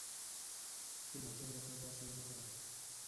El motor de juego ha sido mejorado.